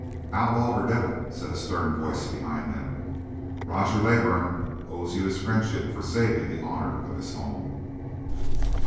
"Outlaw or Devil," said a stern voice behind them, "Roger Leybourn owes you his friendship for saving the honor of his home."